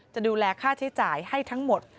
จะดูแลค่าใช้จ่ายให้ทั้งหมด